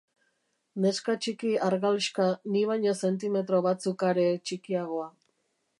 Neska txiki argalxka, ni baino zentimetro batzuk are txikiagoa.